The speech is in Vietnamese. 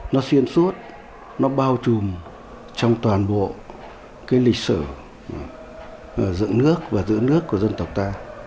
nó xuyên suốt nó bao trùm trong toàn bộ cái lịch sử dựng nước và giữ nước của dân tộc ta